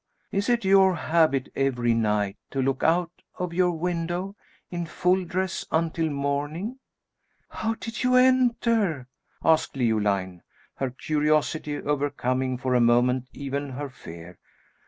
Is it your habit every night to look out of your window in full dress until morning?" "How did you enter?" asked Leoline, her curiosity overcoming for a moment even her fear.